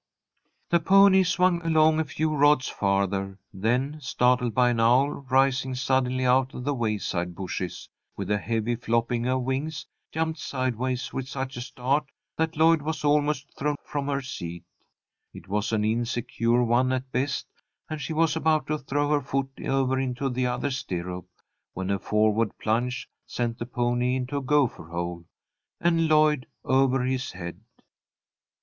The pony swung along a few rods farther, then, startled by an owl rising suddenly out of the wayside bushes with a heavy flopping of wings, jumped sideways with such a start that Lloyd was almost thrown from her seat. It was an insecure one at best, and she was about to throw her foot over into the other stirrup when a forward plunge sent the pony into a gopher hole, and Lloyd over his head.